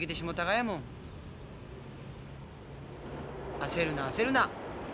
焦るな焦るな。